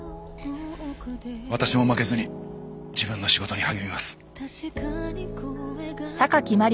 私も負けずに自分の仕事に励みます。